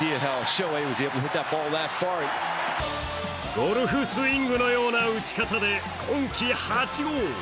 ゴルフスイングのような打ち方で今季８号。